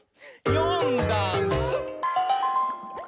「よんだんす」